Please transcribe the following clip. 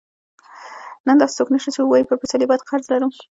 نن داسې څوک نشته چې ووايي پر پسرلي بد قرض لرم.